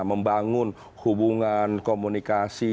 membangun hubungan komunikasi